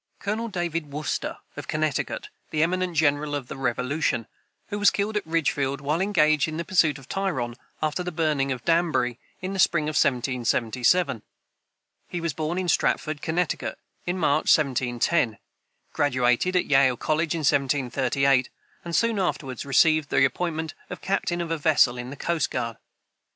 [Footnote 31: Colonel David Wooster, of Connecticut, the eminent general of the Revolution, who was killed at Ridgefield, while engaged in the pursuit of Tryon, after the burning of Danbury, in the spring of 1777. He was born in Stratford, Connecticut, in March, 1710, graduated at Yale college in 1738, and soon afterward received the appointment of captain of a vessel of the coast guard.